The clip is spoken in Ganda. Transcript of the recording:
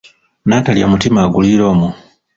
N'atalya mutima aguliira omwo.